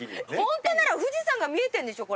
ホントなら富士山が見えてんでしょ？